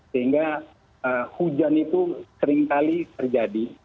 sehingga hujan itu seringkali terjadi